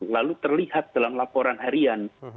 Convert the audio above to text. lalu terlihat dalam laporan harian